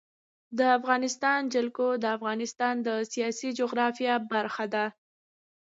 د افغانستان جلکو د افغانستان د سیاسي جغرافیه برخه ده.